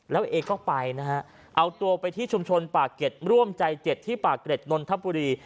แล้วเอก็ไปนะฮะเอาตัวไปที่ชุมชนปากเก็ตร่วมใจ๗ที่ปากเกร็ดนนทบุรี